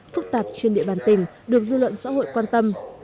phức tạp trên địa bàn tỉnh được dư luận xã hội quan tâm